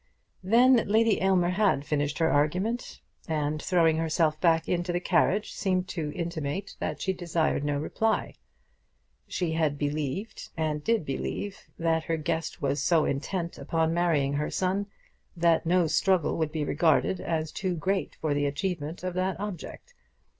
Then Lady Aylmer had finished her argument, and throwing herself back into the carriage, seemed to intimate that she desired no reply. She had believed and did believe that her guest was so intent upon marrying her son, that no struggle would be regarded as too great for the achievement of that object.